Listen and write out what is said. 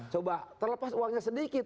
coba terlepas uangnya sedikit